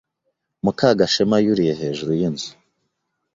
Mukagashema yuriye hejuru yinzu.